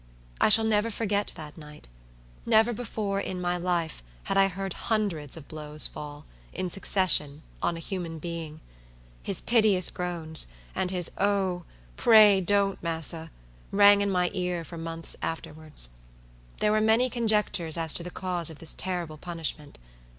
I shall never forget that night. Never before, in my life, had I heard hundreds of blows fall; in succession, on a human being. His piteous groans, and his "O, pray don't, massa," rang in my ear for months afterwards. There were many conjectures as to the cause of this terrible punishment.